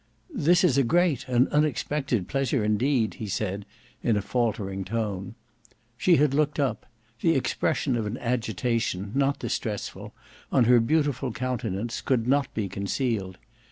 "This is a great, an unexpected pleasure indeed." he said in a faltering tone. She had looked up; the expression of an agitation, not distressful, on her beautiful countenance could not be concealed.